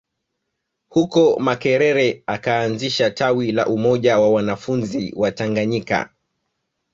Huko Makerere akaanzisha tawi la Umoja wa wanafunzi Watanganyika